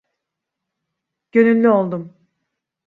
Gönüllü oldum.